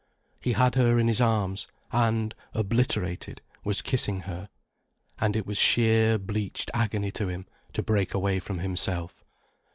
He had her in his arms, and, obliterated, was kissing her. And it was sheer, bleached agony to him, to break away from himself.